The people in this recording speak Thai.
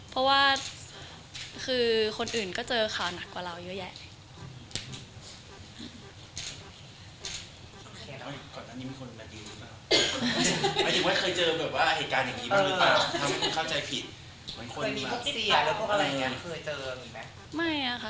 เพราะว่าคือคนอื่นก็เจอข่าวหนักกว่าเราเยอะแยะ